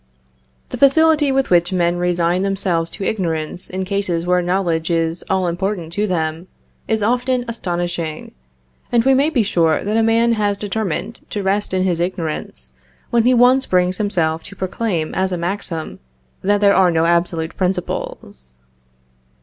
The facility with which men resign themselves to ignorance in cases where knowledge is all important to them, is often astonishing; and we may be sure that a man has determined to rest in his ignorance, when he once brings himself to proclaim as a maxim that there are no absolute principles.